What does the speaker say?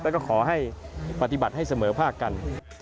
แล้วก็ขอให้ปฏิบัติให้เสมอภาคกัน